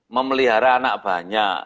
memelihara anak banyak